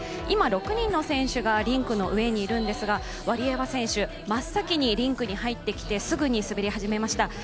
今、６人の選手がリンクの上にいるんですが、ワリエワ選手、真っ先にリンクに入ってきて、すぐに滑り始めました。